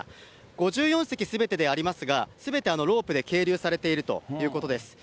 ５４隻すべてでありますが、すべてロープで係留されているということです。